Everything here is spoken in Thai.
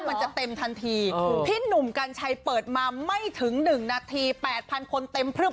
มันจะเต็มทันทีพี่หนุ่มกัญชัยเปิดมาไม่ถึง๑นาที๘๐๐คนเต็มพลึบ